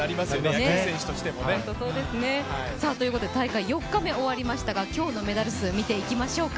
野球選手としてもね。ということで大会４日目終わりましたが、今日のメダル数を見ていきましょうか。